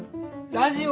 ラジオ。